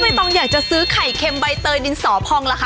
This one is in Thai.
ไม่ต้องอยากจะซื้อไข่เค็มใบเตลนิสสระพองหรอค่ะ